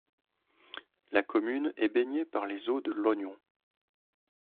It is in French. La commune est baignée par les eaux de l'Ognon.